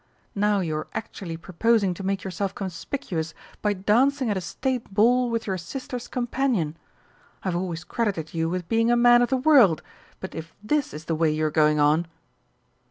Now you are actually proposing to make yourself conspicuous by dancing at a State Ball with your sister's companion! I have always credited you with being a man of the world but if this is the way you are going on